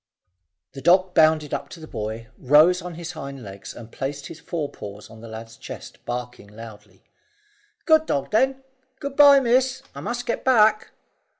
The dog bounded up to the boy, rose on his hind legs and placed his forepaws on the lad's chest, barking loudly. "Good dog, then. Good bye, miss; I must get back."